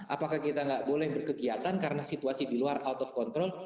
apakah kita nggak boleh berkegiatan karena situasi di luar out of control